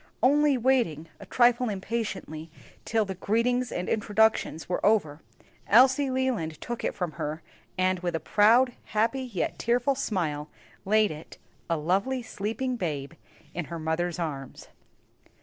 Only waiting, a trifle impatiently, till the greetings and introductions were over, Elsie Leland took it from her, and with a proud, happy, yet tearful smile laid it a lovely sleeping babe in her mother's arms.